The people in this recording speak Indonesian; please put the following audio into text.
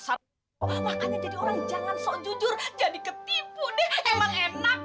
seolah olah makanya jadi orang jangan sok jujur jadi ketipu deh emang enak